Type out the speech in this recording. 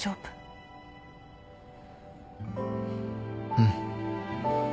うん。